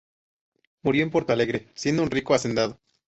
Murió en Porto Alegre, siendo un rico hacendado.